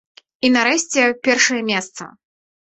І, нарэшце, першае месца.